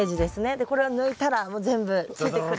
でこれを抜いたらもう全部ついてくる。